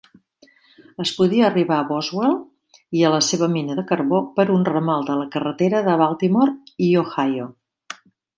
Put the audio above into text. Es podia arribar a Boswell i a la seva mina de carbó per un ramal de la carretera de Baltimore i Ohio.